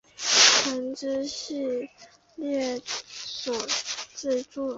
魂之系列所制作。